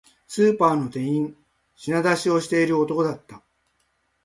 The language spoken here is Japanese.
スーパーの店員、品出しをしている男だった